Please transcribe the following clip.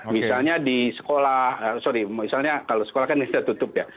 misalnya di sekolah sorry misalnya kalau sekolah kan sudah tutup ya